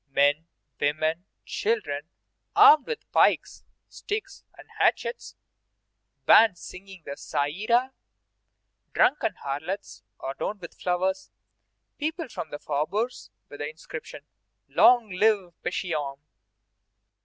Men, women, children, armed with pikes, sticks, and hatchets; bands singing the Ça ira; drunken harlots, adorned with flowers; people from the faubourgs with the inscription, "Long live Pétion!"